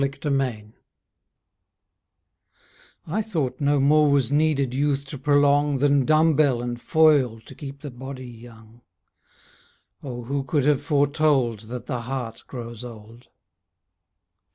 A SONG I thought no more was needed Youth to prolong Than dumb bell and foil To keep the body young. Oh, who could have foretold That the heart grows old?